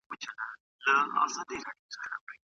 ولي د مالیاتو راټولول د دولت د عوایدو لپاره اړین دي؟